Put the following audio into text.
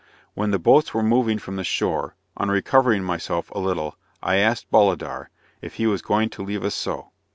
When the boats were moving from the shore, on recovering myself a little, I asked Bolidar, "If he was going to leave us so?"